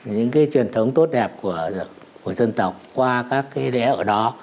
những cái truyền thống tốt đẹp của dân tộc qua các cái đé ở đó